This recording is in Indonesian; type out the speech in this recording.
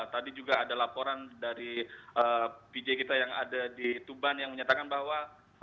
tadi juga ada laporan dari pj kita yang ada di tuban yang menyatakan bahwa